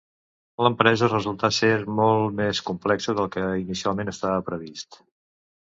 L'empresa resultà ser molt més complexa del que inicialment estava previst.